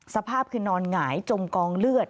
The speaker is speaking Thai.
สภาพคือนอนหงายจมกองเลือด